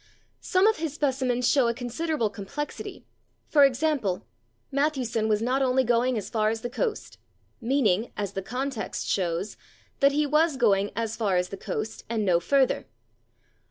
Some of his specimens show a considerable complexity, for [Pg232] example, "Matthewson was /not/ only going as far as the coast," meaning, as the context shows, that he was going as far as the coast and no further.